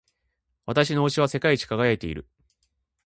私の押しは世界一輝いている。